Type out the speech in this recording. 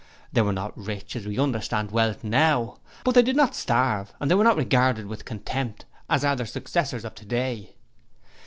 They were not rich as we understand wealth now, but they did not starve and they were not regarded with contempt, as are their successors of today.